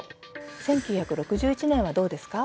１９６１年はどうですか？